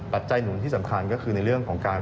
ปัจจัยหนุนที่สำคัญก็คือในเรื่องของการ